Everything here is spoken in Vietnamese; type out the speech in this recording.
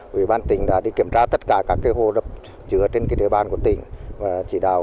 tuy nhiên do nhiều công trình được xây dựng từ khá lâu